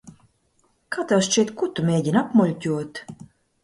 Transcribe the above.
Kā tev šķiet, ko tu mēģini apmuļķot?